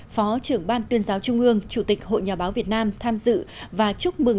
phó trưởng ban tuyên giáo trung ương chủ tịch hội nhà báo việt nam tham dự và chúc mừng